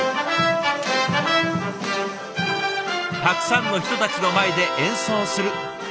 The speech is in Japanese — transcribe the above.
たくさんの人たちの前で演奏する。